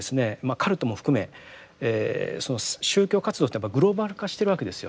カルトも含めその宗教活動というのはグローバル化してるわけですよ。